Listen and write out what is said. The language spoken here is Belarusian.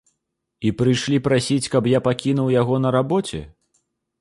І прыйшлі прасіць, каб я пакінуў яго на рабоце?